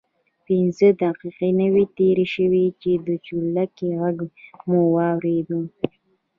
پنځه دقیقې نه وې تېرې شوې چې د چورلکې غږ مو واورېد.